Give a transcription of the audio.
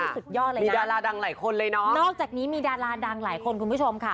สุดยอดเลยนะนอกจากนี้มีดาราดังหลายคนคุณผู้ชมค่ะมีดาราดังหลายคนเลยนะ